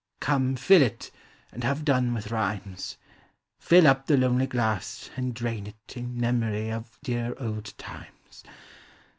Come, fill it, and have done with rhymes; Fill up the lonely glass, and drain it Iu memory of dear old times.